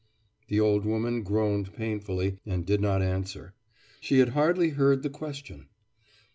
The old woman groaned painfully, and did not answer. She had hardly heard the question.